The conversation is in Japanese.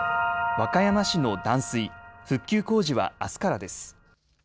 和歌山市の断水、復旧工事はあすからです。